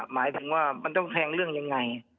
หมายถึงว่ามันต้องแทงเรื่องยังไง